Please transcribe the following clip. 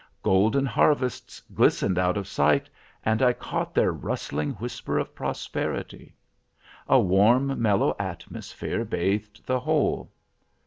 Golden harvests glistened out of sight, and I caught their rustling whisper of prosperity. A warm, mellow atmosphere bathed the whole.